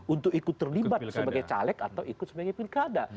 untuk ikut terlibat sebagai caleg atau ikut sebagai pilkada